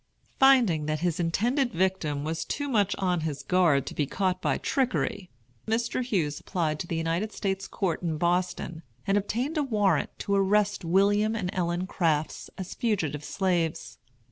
Finding that his intended victim was too much on his guard to be caught by trickery, Mr. Hughes applied to the United States Court in Boston and obtained a warrant to arrest William and Ellen Crafts as fugitive slaves.